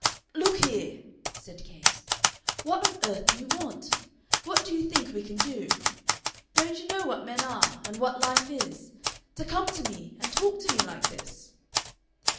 "Look here!" said Capes, "what on earth do you want? What do you think we can do? Don't you know what men are, and what life is? to come to me and talk to me like this!"